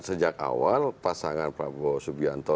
sejak awal pasangan prabowo subianto